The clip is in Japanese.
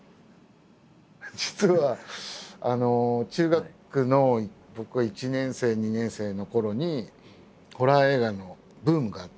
実は中学の僕が１年生２年生のころにホラー映画のブームがあって。